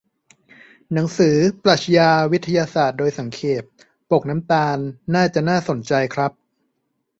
หนังสือ 'ปรัชญาวิทยาศาสตร์โดยสังเขป' ปกน้ำตาล น่าจะน่าสนใจครับ